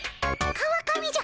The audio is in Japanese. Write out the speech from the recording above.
川上じゃ。